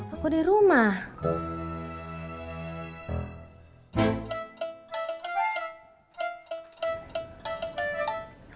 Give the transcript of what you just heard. aku di rumah